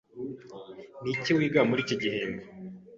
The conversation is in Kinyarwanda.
Niki wiga muri iki gihembwe?